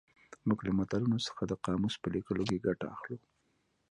موږ له متلونو څخه د قاموس په لیکلو کې ګټه اخلو